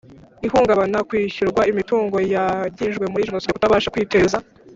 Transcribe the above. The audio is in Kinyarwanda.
Ihungabana kwishyurwa imitungo yangijwe muri Jenoside kutabasha kwiteza